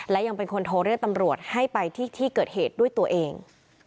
และยังเป็นคนโทรเรียกตำรวจให้ไปที่ที่เกิดเหตุด้วยตัวเอง